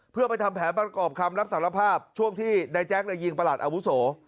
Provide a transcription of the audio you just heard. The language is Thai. เพื่อไปทำแผลบ้านกรอบคำรับสารภาพช่วงที่ได้แจ๊กได้ยิงประหลาดอาวุโส